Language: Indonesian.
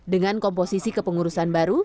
dengan komposisi kepengurusan baru